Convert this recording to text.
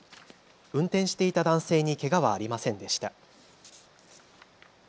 運転していた男性にけがはありませんでした。